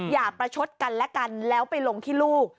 อย่าประชดกันและกันแล้วไปลงที่ลูก